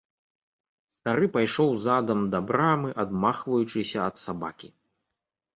Стары пайшоў задам да брамы, адмахваючыся ад сабакі.